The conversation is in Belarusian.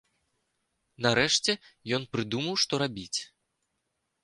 Нарэшце ён прыдумаў, што рабіць.